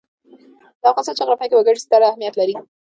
د افغانستان جغرافیه کې وګړي ستر اهمیت لري.